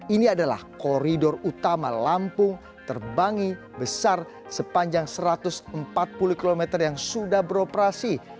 ini adalah koridor utama lampung terbangi besar sepanjang satu ratus empat puluh km yang sudah beroperasi